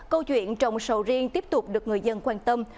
câu chuyện trồng sầu riêng tiếp tục được người dân quan tâm